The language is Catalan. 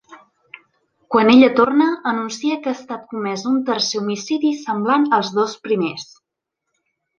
Quan ella torna, anuncia que ha estat comès un tercer homicidi semblant als dos primers.